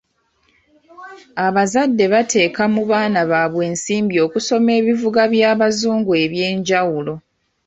Abazadde bateekamu baana baabwe ensimbi okusoma ebivuga by'abazungu eby'enjawulo.